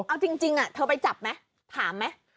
เอาจริงเธอไปจับมั้ยถามมั้ย